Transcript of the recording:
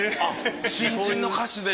新人の歌手で？